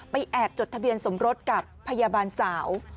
แอบจดทะเบียนสมรสกับพยาบาลสาว